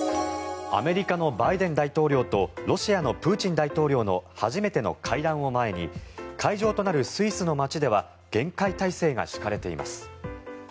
アメリカのバイデン大統領とロシアのプーチン大統領の初めての会談を前に会場となるスイスの街では厳戒態勢が敷かれています。